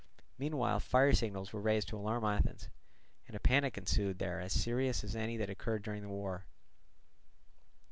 Meanwhile fire signals were raised to alarm Athens, and a panic ensued there as serious as any that occurred during the war.